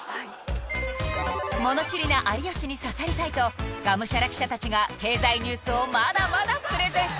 物知りな有吉に刺さりたいとガムシャラ記者たちが経済ニュースをまだまだプレゼン